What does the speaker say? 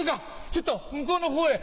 ちょっと向こうのほうへ！